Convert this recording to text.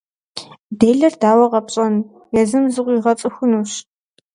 Делэр дауэ къэпщӏэн, езым зыкъыуигъэцӏыхунщ.